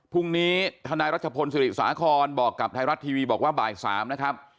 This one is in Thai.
ทนายรัชพลศิริสาครบอกกับไทยรัฐทีวีบอกว่าบ่าย๓นะครับ